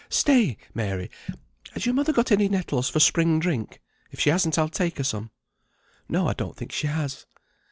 Stay, Mary, has your mother got any nettles for spring drink? If she hasn't I'll take her some." "No, I don't think she has."